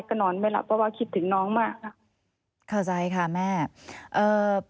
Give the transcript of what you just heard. ก็นอนไม่หลับเพราะว่าคิดถึงน้องมากค่ะเข้าใจค่ะแม่เอ่อ